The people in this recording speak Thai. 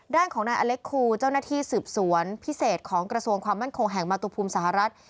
ด้านของนายอเล็กคูเจ้าหน้าที่สืบสวนพิเศษของกระทรวงความมั่นคงแห่งมาตุภูมิสหรัฐ